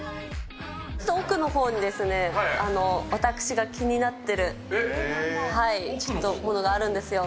奥のほうにですね、私が気になってるものがあるんですよ。